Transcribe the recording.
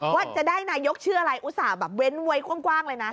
ว่าจะได้นายกชื่ออะไรอุตส่าห์แบบเว้นไว้กว้างเลยนะ